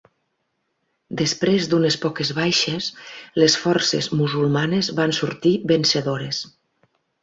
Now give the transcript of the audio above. Després d'unes poques baixes, les forces musulmanes van sortir vencedores.